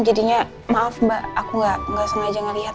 jadinya maaf mbak aku nggak sengaja ngelihat